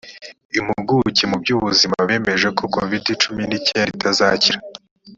impuguke mu byubuzima bemeje ko covid cumi ni cyenga itazakira